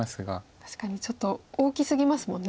確かにちょっと大きすぎますもんね。